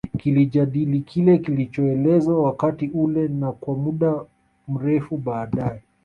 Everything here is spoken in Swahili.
Kilijadili kile kilichoelezwa wakati ule na kwa muda mrefu baadae